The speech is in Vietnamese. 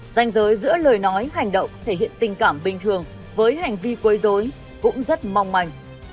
danh giới giữa lời nói hành động thể hiện tình cảm bình thường với hành vi quấy dối cũng rất mong manh